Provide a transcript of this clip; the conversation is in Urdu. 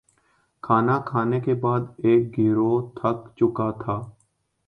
کھانا کھانے کے بعد ایک گروہ تھک چکا تھا